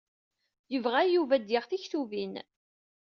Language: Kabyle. Yebɣa Yuba ad d-yaɣ tiktubin.